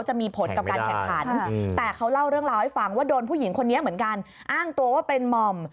จะมีผลกับการแข่งขันแต่เขาเล่าเรื่องราวให้ฟังว่าโดนผู้หญิงคนนี้เหมือนกันอ้างตัวว่าเป็นหม่อม